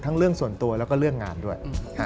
เรื่องส่วนตัวแล้วก็เรื่องงานด้วย